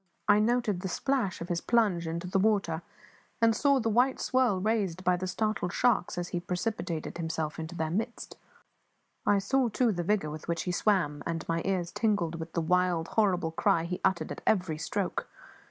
I noted the splash of his plunge into the water, and saw the white swirl raised by the startled sharks as he precipitated himself into their midst; I saw, too, the vigour with which he swam, and my ears tingled with the wild, horrible cry he uttered at every stroke.